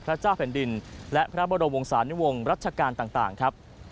เจ้าแผ่นดินและพระบรมวงศานิวงศ์รัชกาลต่างครับ